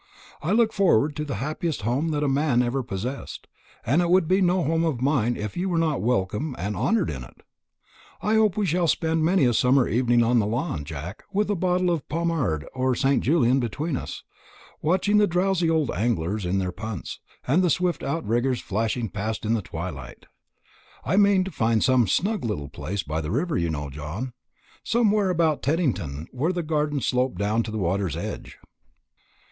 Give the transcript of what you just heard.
I look forward to the happiest home that ever a man possessed; and it would be no home of mine if you were not welcome and honoured in it. I hope we shall spend many a summer evening on the lawn, Jack, with a bottle of Pomard or St. Julien between us, watching the drowsy old anglers in their punts, and the swift outriggers flashing past in the twilight. I mean to find some snug little place by the river, you know, Saltram somewhere about Teddington, where the gardens slope down to the water's edge."